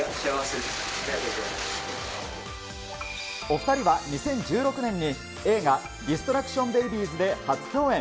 お２人は２０１６年に映画、ディストラクション・ベイビーズで初共演。